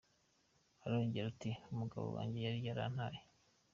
Arongera ati “Umugabo wanjye yari yarantaye.